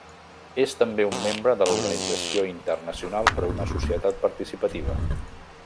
És també un membre de l'Organització Internacional per una Societat Participativa.